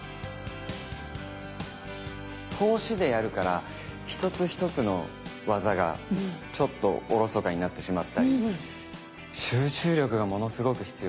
通しでやるから一つ一つの技がちょっとおろそかになってしまったり集中力がものすごく必要ですね。